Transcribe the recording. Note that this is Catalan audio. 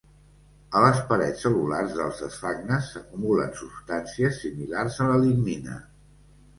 A les parets cel·lulars dels esfagnes s'acumulen substàncies similars a la lignina.